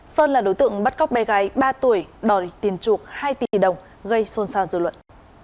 sơn là đối tượng bắt cóc bé gái ba tuổi đòi tiền chuộc hai tỷ đồng gây xôn xao dư luận